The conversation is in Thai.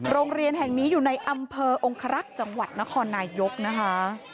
โรงเรียนแห่งนี้อยู่ในอำเภอองครักษ์จังหวัดนครนายกนะคะ